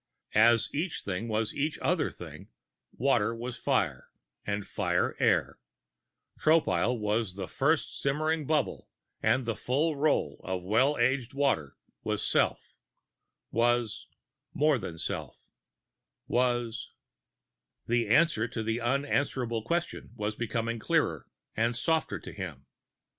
As each thing was each other thing; water was fire, and fire air; Tropile was the first simmering bubble and the full roll of Well aged Water was Self, was more than Self was The answer to the unanswerable question was coming clearer and softer to him.